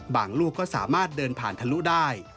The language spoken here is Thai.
ลูกก็สามารถเดินผ่านทะลุได้